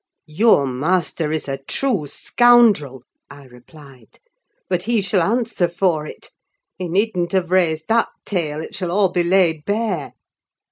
"Your master is a true scoundrel!" I replied. "But he shall answer for it. He needn't have raised that tale: it shall all be laid bare!"